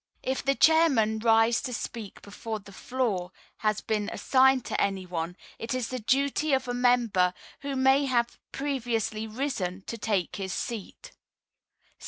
If the Chairman rise to speak before the floor has been assigned to any one, it is the duty of a member who may have previously risen to take his seat.